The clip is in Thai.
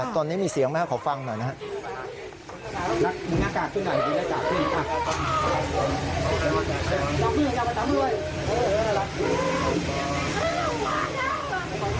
ตอนนี้มีเสียงไหมครับขอฟังหน่อยนะครับ